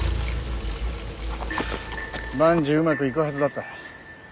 万事うまくいくはずだった。